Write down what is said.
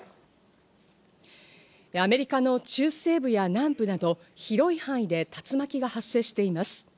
アメリカの中西部や南部など、広い範囲で竜巻が発生しています。